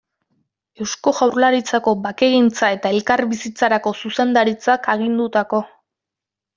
Eusko Jaurlaritzako Bakegintza eta Elkarbizitzarako Zuzendaritzak agindutako.